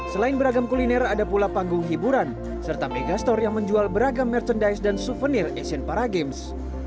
selain beragam kuliner ada pula panggung hiburan serta megastore yang menjual beragam merchandise dan souvenir asian para games